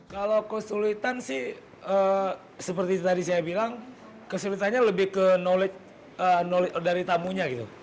kalau kesulitan sih seperti tadi saya bilang kesulitannya lebih ke knowledge dari tamunya gitu